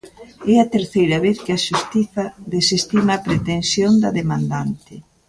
É a terceira vez que a Xustiza desestima a pretensión da demandante.